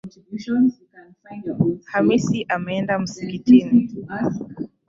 Hamisi ameenda msikitini